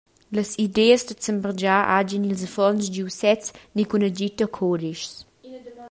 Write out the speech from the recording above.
Las ideas da zambergiar hagien ils affons giu sezs ni cun agid da cudischs.